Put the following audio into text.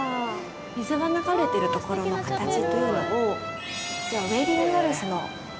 水が流れてるところの形というのをウェディングドレスの。